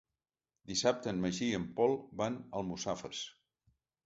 Dissabte en Magí i en Pol van a Almussafes.